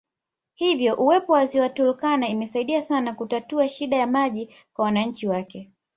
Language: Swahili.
Hivyo uwepo wa Ziwa Turkana imesaidia sana kutatua shida ya maji kwa wananchi wake